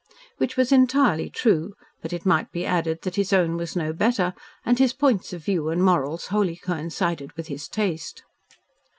Which was entirely true, but it might be added that his own was no better and his points of view and morals wholly coincided with his taste.